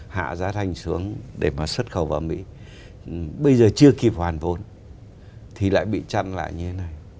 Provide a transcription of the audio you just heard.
hạ giá thành xuống để mà xuất khẩu vào mỹ bây giờ chưa kịp hoàn vốn thì lại bị chặn lại như thế này